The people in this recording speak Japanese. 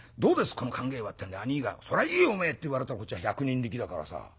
この考えは』ってんで兄ぃが『そらいいよおめえ』って言われたらこっちは百人力だからさ。